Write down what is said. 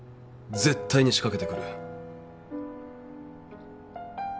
絶対に仕掛けてくる。